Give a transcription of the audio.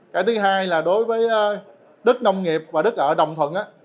cái thứ hai là đối với đất nông nghiệp và đất ở đồng thuận